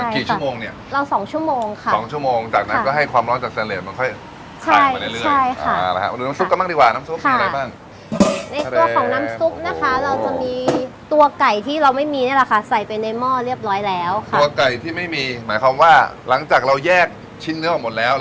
กี่ชั่วโมงเรา๒ชั่วโมงสักนั้นความร้อนจากสันเล็ตก็ค่อยออกมาเรื่อย